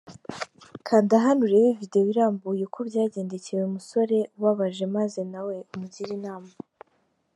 Kanda hano Urebe Video irambuye uko byagendekeye uyu musore ubabaje maze nawe umugire inama.